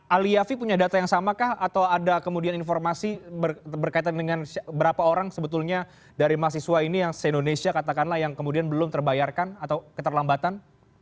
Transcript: ali yafi punya data yang samakah atau ada kemudian informasi berkaitan dengan berapa orang sebetulnya dari mahasiswa ini yang se indonesia katakanlah yang kemudian belum terbayarkan atau keterlambatan